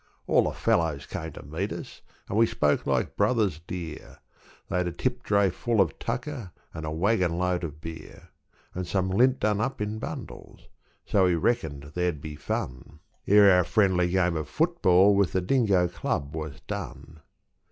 All the fellows came to meet us, and we spoke like brothers dear. They'd a tip dray full of tucker, and a waggon load of beer, And some lint done up in bundles; so we reckoned there'd be fun Ere our friendly game of football with the Dingo Club was done.